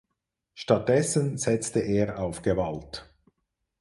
Stattdessen setzte er auf Gewalt.